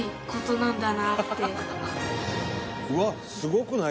うわっすごくない？